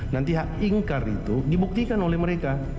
nanti hak ingkar itu dibuktikan oleh mereka